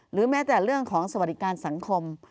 แม้แต่เรื่องของสวัสดิการสังคม